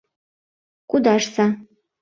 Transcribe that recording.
— Кудашса.